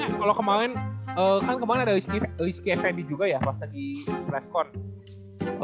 soalnya kalo kemaren kan kemaren ada rizky fd juga ya pas lagi flashcore